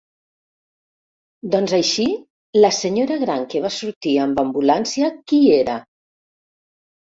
Doncs així, la senyora gran que va sortir amb ambulància, qui era?